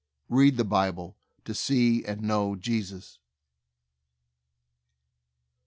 Read the Bible to see and know Jesus.